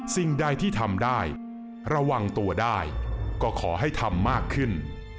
สิ่งใดที่ทำได้ระวังตัวได้ก็ขอให้ทำมากขึ้น